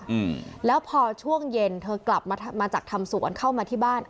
อืมแล้วพอช่วงเย็นเธอกลับมามาจากทำสวนเข้ามาที่บ้าน